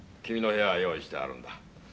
君の部屋は用意してあるんだ。